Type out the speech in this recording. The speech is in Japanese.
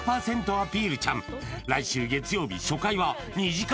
アピルちゃん」来週月曜日初回は２時間